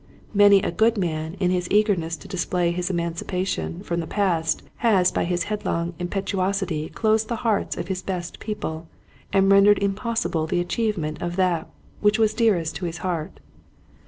Many a good man in his eagerness to display his emancipa tion from the past has by his headlong impetuosity closed the hearts of his best people, and rendered impossible the achievement of that which was dearest to his heart.